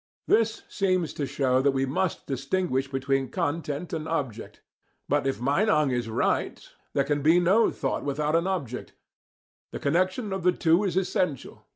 This seems to show that we must distinguish between content and object. But if Meinong is right, there can be no thought without an object: the connection of the two is essential.